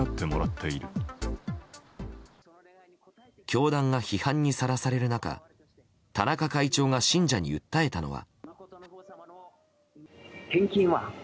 教団が批判にさらされる中田中会長が信者に訴えたのは。